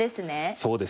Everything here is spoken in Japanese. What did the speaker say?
そうですね。